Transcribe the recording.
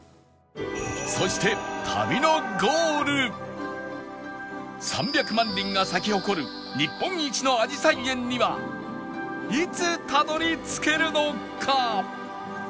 そして３００万輪が咲き誇る日本一のあじさい園にはいつたどり着けるのか？